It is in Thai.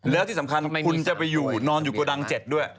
แล้วที่สำคัญคุณจะไปอยู่นอนอยู่โกดัง๗ด้วย